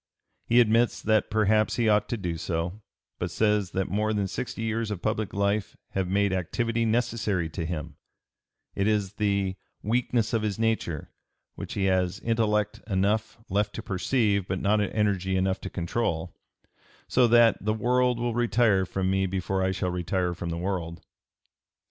He admits that perhaps he ought to do so, but says that more than sixty years of public life have made activity necessary to him; it is the "weakness of his nature" which he has "intellect enough left to perceive but not energy to control," so that "the world will retire from me before I shall retire from the world."